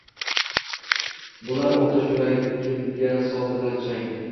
Bular otash yuragimga soldilar chang